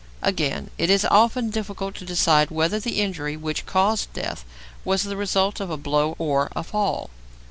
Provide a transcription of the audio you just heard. Again, it is often difficult to decide whether the injury which caused death was the result of a blow or a fall.